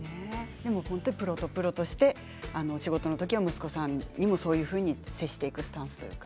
プロとプロとして仕事の時は息子さんにもそういうふうに接していくスタンスというか。